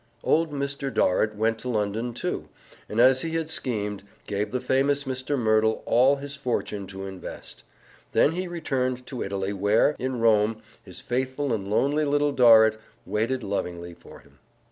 Old Mr. Dorrit went to London, too, and, as he had schemed, gave the famous Mr. Merdle all his fortune to invest. Then he returned to Italy, where, in Rome, his faithful and lonely Little Dorrit waited lovingly for him.